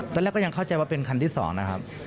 ตอนแรกก็ยังเข้าใจว่าเป็นคันที่๒นะครับ